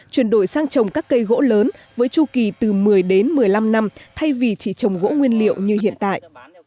chuyển đổi sang trồng các cây gỗ lớn với chu kỳ từ một mươi đến một mươi năm năm thay vì chỉ trồng gỗ nguyên liệu như hiện tại